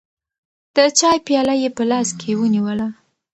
د چای پیاله یې په لاس کې ونیوله.